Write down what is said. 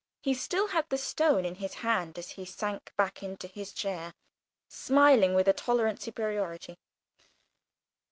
He still had the stone in his hand as he sank back into his chair, smiling with a tolerant superiority.